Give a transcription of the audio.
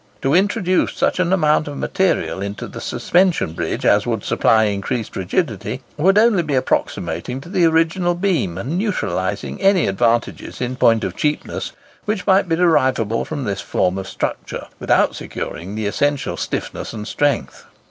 To introduce such an amount of material into the suspension bridge as would supply increased rigidity, would only be approximating to the original beam, and neutralizing any advantages in point of cheapness which might be derivable from this form of structure, without securing the essential stiffness and strength.